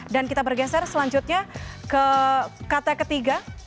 dan kita bergeser selanjutnya ke kata ketiga